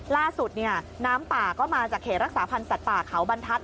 ล่าสุดน้ำป่าก็มาจากเขตรักษาพันธ์สัตว์ป่าเขาบรรทัศน